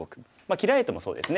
切られてもそうですね。